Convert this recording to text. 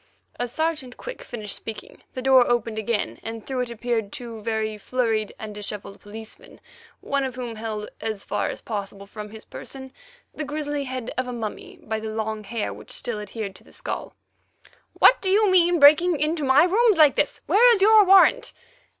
As Sergeant Quick finished speaking, the door opened again, and through it appeared two very flurried and dishevelled policemen, one of whom held, as far as possible from his person, the grizzly head of a mummy by the long hair which still adhered to the skull. "What do you mean by breaking into my rooms like this? Where's your warrant?"